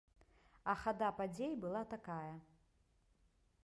А хада падзей была такая.